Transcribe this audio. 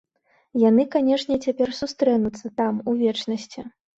Яны, канешне, цяпер сустрэнуцца, там, у вечнасці.